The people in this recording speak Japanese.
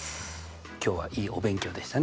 今日はいいお勉強でしたね。